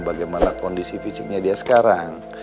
bagaimana kondisi fisiknya dia sekarang